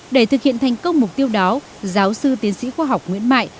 để thực hiện thành công mục tiêu đó giáo sư tiến sĩ khoa học nguyễn mại